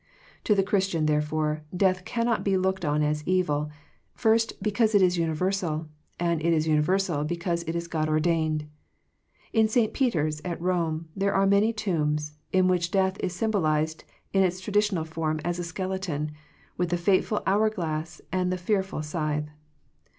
To the Christian, therefore, death can not be looked on as evil; first, because it is universal, and it is universal because it is God ordained. In St. Peter's, at Rome, there are many tombs, in which death is symbolized in its traditional form as a skeleton, with the fateful hour glass and the fearful scythe.